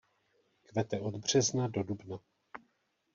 Kvete od března do dubna.